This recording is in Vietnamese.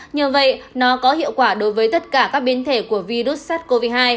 nhờ vậy nó có hiệu quả đối với tất cả các biến thể của virus sars cov hai